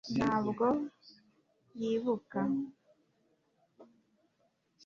ntabwo yibuka